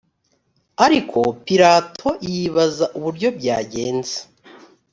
ariko pilato yibaza uburyo byangenze